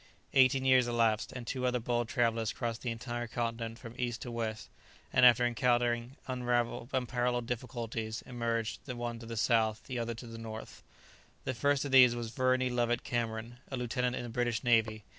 Eighteen years elapsed, and two other bold travellers crossed the entire continent from east to west, and after encountering unparalleled difficulties, emerged, the one to the south, the other to the north of Angola. The first of these was Verney Lovett Cameron, a lieutenant in the British navy.